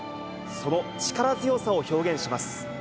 その力強さを表現します。